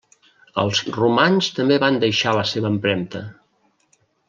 Els romans també van deixar la seva empremta.